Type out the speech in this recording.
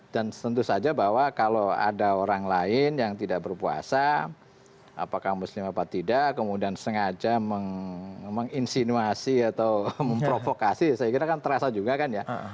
dan tentu saja bahwa kalau ada orang lain yang tidak berpuasa apakah muslim apa tidak kemudian sengaja menginsinuasi atau memprovokasi saya kira kan terasa juga kan ya